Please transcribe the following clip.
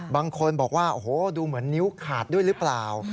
บางคนบอกว่าโอ้โหดูเหมือนนิ้วขาดด้วยหรือเปล่า